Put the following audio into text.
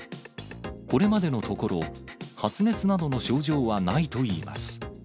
これまでのところ、発熱などの症状はないといいます。